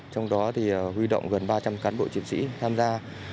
trong đó huy động gần ba trăm linh cán bộ chiến sĩ tham gia